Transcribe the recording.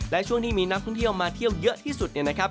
และช่วงที่มีนักท่องเที่ยวมาเที่ยวเยอะที่สุดเนี่ยนะครับ